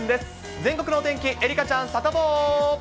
全国のお天気、愛花ちゃん、サタボー。